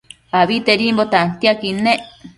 Abitedimbo tantiaquid nec